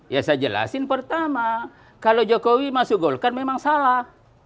ya saya jelasin pertama kalau jokowi masuk golkar memang salah